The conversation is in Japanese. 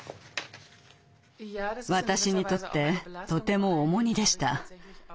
私にとってとても重荷でした。